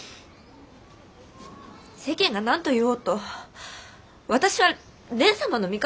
世間が何と言おうと私は蓮様の味方よ。